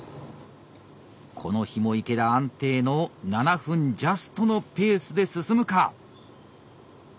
この日も池田安定の７分ジャストのペースで進むか。